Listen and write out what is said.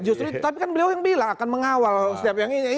justru tapi kan beliau yang bilang akan mengawal setiap yang ini